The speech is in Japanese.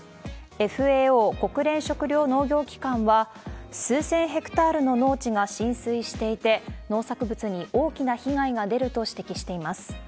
ＦＡＯ・国連食糧農業機関は、数千ヘクタールの農地が浸水していて、農作物に大きな被害が出ると指摘しています。